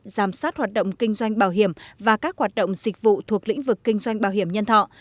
giám sát hoạt động kinh doanh bảo hiểm và các hoạt động dịch vụ thuộc lĩnh vực kinh doanh bảo hiểm nhân thọ